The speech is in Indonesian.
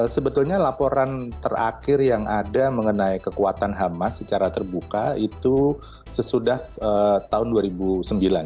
sebetulnya laporan terakhir yang ada mengenai kekuatan hamas secara terbuka itu sesudah tahun dua ribu sembilan